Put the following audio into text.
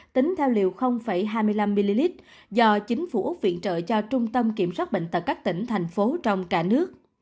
tính theo liều hai mươi năm ml do chính phủ úc viện trợ cho trung tâm kiểm soát bệnh tật các tỉnh thành phố trong cả nước